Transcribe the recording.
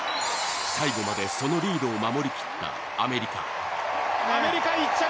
最後までそのリードを守りきった、アメリカ。